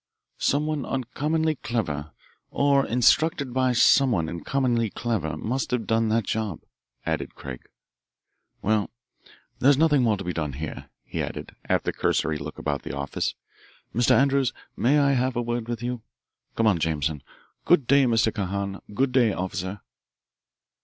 "Someone uncommonly clever, or instructed by someone uncommonly clever, must have done that job," added Craig. "Well, there is nothing more to be done here," he added, after a cursory look about the office. "Mr. Andrews, may I have a word with you? Come on, Jameson. Good day, Mr. Kahan. Good day, Officer."